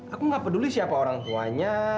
aku nggak peduli siapa orang tuanya